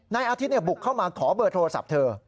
นายอาทิตย์บุกเข้ามาขอเบอร์โทรศัพท์เธอ